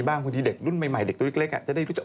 บางทีเด็กรุ่นใหม่เด็กตัวเล็กจะได้รู้จัก